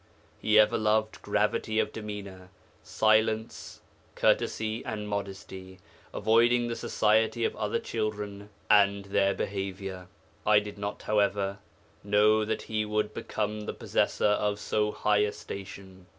He ever loved gravity of demeanour, silence, courtesy, and modesty, avoiding the society of other children and their behaviour. I did not, however, know that he would become the possessor of [so high] a station.